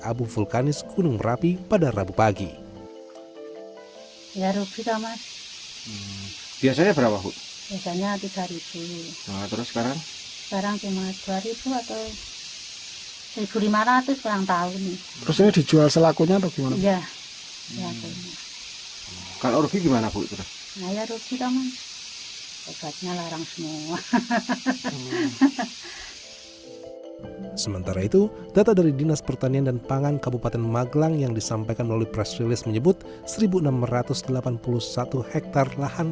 abu vulkanis gunung merapi pada rabu pagi ya rubit amat biasanya berapa hut biasanya